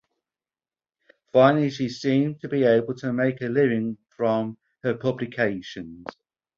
Finally she seemed to be able to make a living from her publications.